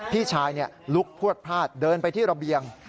พี่ชายลุกพวดพลาดเดินไปที่ระเบียง